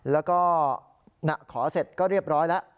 แล้วก็ขอเสร็จก็เรียบร้อยแล้ว